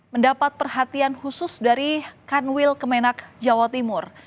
mendapat perhatian khusus dari kanwil kemenak jawa timur